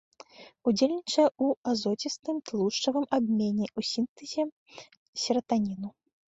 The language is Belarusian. Удзельнічае ў азоцістым, тлушчавым абмене, у сінтэзе сератаніну.